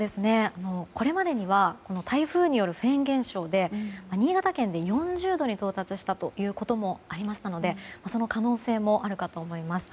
これまでには台風によるフェーン現象で新潟県で４０度に到達したこともありましたのでその可能性もあるかと思います。